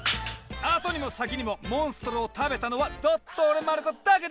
後にも先にもモンストロを食べたのはドットーレ・マルコだけでしょう！